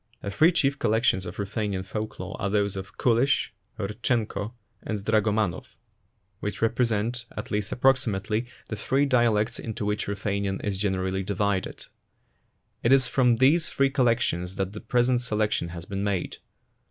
The three chief collections of Ruthenian folk lore are those of Kulish, Rudchenko, and Dragomanov, 9 COSSACK FAIRY TALES which represent, at least approximately, the three dialects into which Ruthenian is generally divided. It is from these three collections that the present selection has been made.